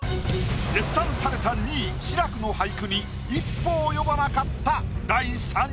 絶賛された２位志らくの俳句に一歩及ばなかった。